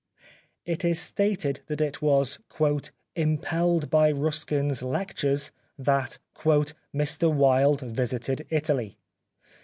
It is stated that it was " impelled by Ruskin's lectures " that " Mr Wilde visited Italy."